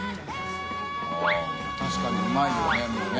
確かにうまいよねもうね。